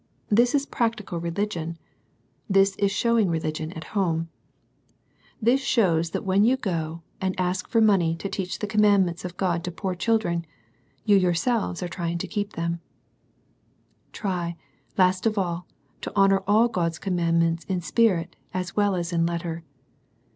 This is practical religion. This is showing religion at home. Tbis ^\vcyw^ ^SKaX^^'ecw^^^i^ H§^ I08 SERMONS FOR CHILDREN. and ask for money to teach the commandments of God to poor children, you yourselves are trying to keep them. Try, last of all, to honour all God's command ments in spirit as well as in letter.